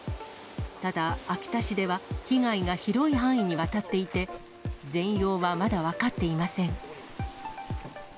ただ、秋田市では被害が広い範囲にわたっていて、全容はまだ分かっていません。